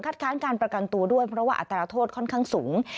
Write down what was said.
ค้านการประกันตัวด้วยเพราะว่าอัตราโทษค่อนข้างสูง